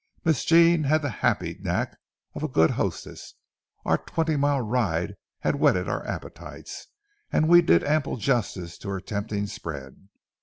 Miss Jean had the happy knack of a good hostess, our twenty mile ride had whetted our appetites, and we did ample justice to her tempting spread.